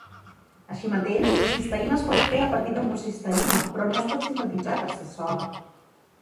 Així mateix, la cisteïna es pot fer a partir d'homocisteïna però no es pot sintetitzar per si sola.